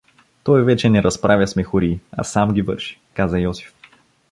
— Той вече не разправя смехории, а сам ги върши — каза Йосиф.